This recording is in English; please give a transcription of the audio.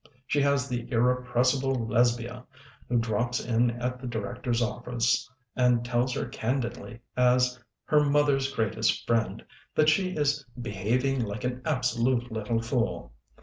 She has the irrepress ible Lesbia, who drops in at the Director's office and tells her candidly, as her "mother's greatest friend," that she is "behaving like an absolute little fool."